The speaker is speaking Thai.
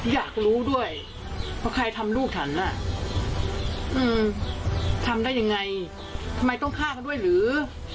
อยากรู้ด้วยว่าใครทำลูกฉันทำได้ยังไงทำไมต้องฆ่าเขาด้วยหรือ